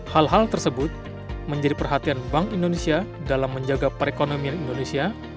hal hal tersebut menjadi perhatian bank indonesia dalam menjaga perekonomian indonesia